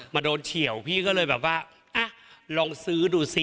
โดนเฉียวพี่ก็เลยแบบว่าอ่ะลองซื้อดูสิ